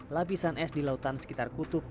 lapisan es di lautan sekitar kutub